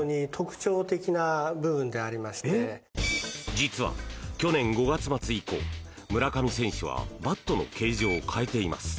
実は去年５月末以降村上選手はバットの形状を変えています。